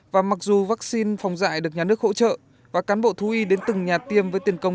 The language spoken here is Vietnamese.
và mặc dù vaccine phòng dạy được nhà nước hỗ trợ và cán bộ thú y đến từng nhà tiêm với tiền công